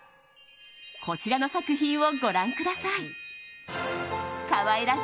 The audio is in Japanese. こちらの作品をご覧ください。